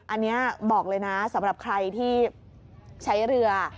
อันนี้บอกเลยนะสำหรับใครที่ใช้เรือ